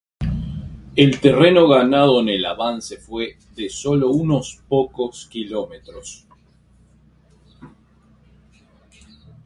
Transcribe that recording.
El terreno ganado en el avance fue de solo unos pocos kilómetros.